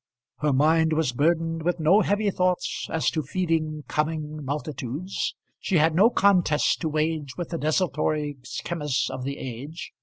Her mind was burdened with no heavy thoughts as to feeding coming multitudes. She had no contests to wage with the desultory chemists of the age.